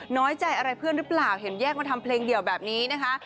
น้อยใจอะไรเพื่อนหรือเปล่าเห็นแยกมาทำเพลงเดี่ยวแบบนี้นะคะ